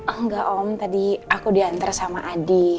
enggak om tadi aku diantar sama adik